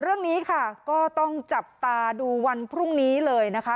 เรื่องนี้ค่ะก็ต้องจับตาดูวันพรุ่งนี้เลยนะคะ